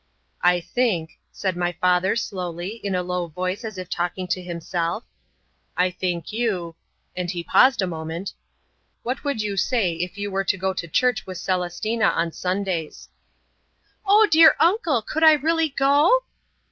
"I think," said my father slowly in a low voice as if talking to himself, "I think you" and he paused a moment "What would you say if you were to go to church with Celestina on Sundays?" "Oh, dear uncle, could I really go?"